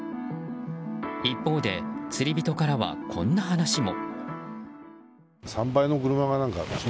一方で、釣り人からはこんな話も。